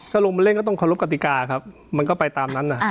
ถ้าลงมาเล่นก็ต้องเคารพกติกาครับมันก็ไปตามนั้น